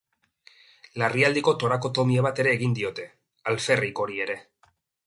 Larrialdiko torakotomia bat ere egin diote, alferrik hori ere.